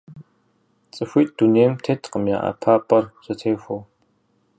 Цӏыхуитӏ дунейм теткъым я ӏэпапӏэр зэтехуэу.